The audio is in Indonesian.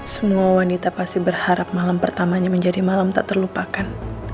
semua wanita pasti berharap malam pertamanya menjadi malam tak terlupakan